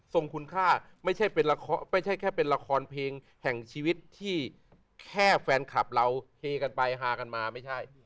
คุณค่าไม่ใช่เป็นไม่ใช่แค่เป็นละครเพลงแห่งชีวิตที่แค่แฟนคลับเราเฮกันไปฮากันมาไม่ใช่